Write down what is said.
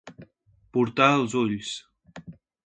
Portar els ulls.